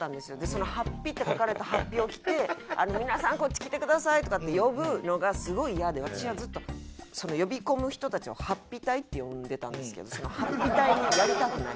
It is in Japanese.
その「ハッピ」って書かれた法被を着て「皆さんこっち来てください」とかって呼ぶのがすごいイヤで私はずっとその呼び込む人たちを「法被隊」って呼んでたんですけど法被隊やりたくない。